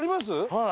はい。